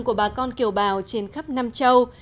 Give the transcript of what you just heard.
của bà con kiều bào trên khắp nam châu